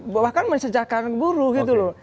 bahkan mensejahkan buruh gitu loh